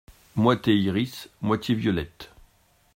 Moitié iris, moitié violette !